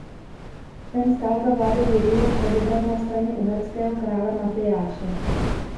Ten stál za vlády Jiřího z Poděbrad na straně uherského krále Matyáše.